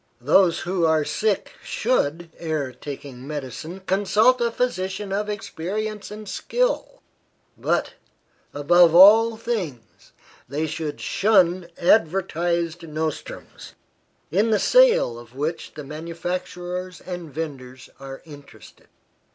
Those who are sick should, ere taking medicine, consult a physician of experience and skill; but, above all things, they should shun advertised nostrums, in the sale of which the manufacturers and vendors are interested.